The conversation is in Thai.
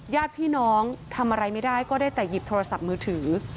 ญาติพี่น้องทำอะไรไม่ได้ก็ได้แต่หยิบโทรศัพท์มือถือ